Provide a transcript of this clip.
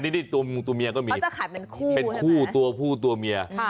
นี่ตัวเมียก็มีเป็นคู่ตัวผู้ตัวเมีย